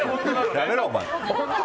やめろ、お前！